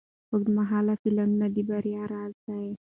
اوږدمهاله پلانونه د بریا راز دی.